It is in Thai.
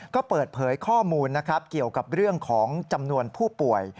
ก็เปิดเผยข้อมูลนะครับเกี่ยวกับเรื่องของจำนวนผู้ป่วย